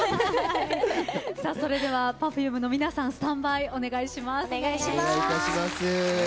それではＰｅｒｆｕｍｅの皆さんスタンバイ、お願いします。